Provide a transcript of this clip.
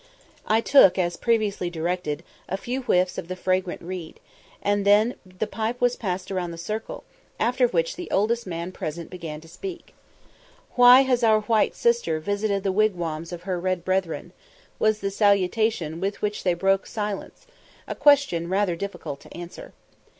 I took, as previously directed, a few whiffs of the fragrant weed, and then the pipe was passed round the circle, after which the oldest man present began to speak. [Footnote: "Why has our white sister visited the wigwams of her red brethren?" was the salutation with which they broke silence a question rather difficult to answer.